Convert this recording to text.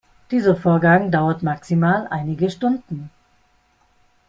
Dieser Vorgang dauert maximal einige Stunden.